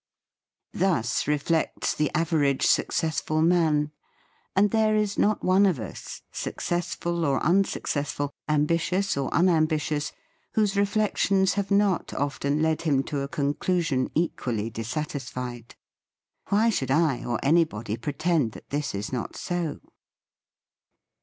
Thus reflects the average successful man, and there is not one of us, success ful or unsuccessful, ambitious or unam bitious, whose reflections have not oft en led him to a conclusion equally dis THE FEAST OF ST FRIEND satisfied. Why should I or anybody pretend that this is not so?